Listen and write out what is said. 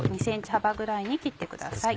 ２ｃｍ幅ぐらいに切ってください。